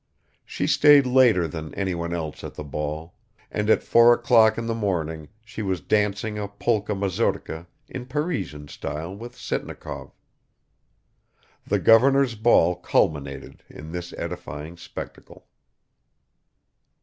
She stayed later than anyone else at the ball, and at four o'clock in the morning she was dancing a polka mazurka in Parisian style with Sitnikov. The governor's ball culminated in this edifying spectacle.